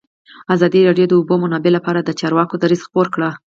ازادي راډیو د د اوبو منابع لپاره د چارواکو دریځ خپور کړی.